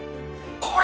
これ！